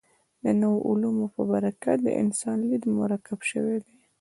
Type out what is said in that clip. د نویو علومو په برکت د انسان لید مرکب شوی دی.